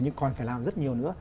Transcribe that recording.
nhưng còn phải làm rất nhiều nữa